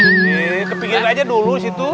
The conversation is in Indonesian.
iya kepikiran aja dulu disitu